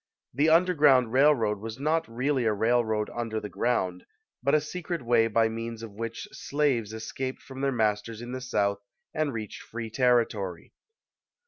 The "underground railroad" was not really a railroad under the ground, but a secret way by means of which slaves escaped from their masters in the South and reached free territory.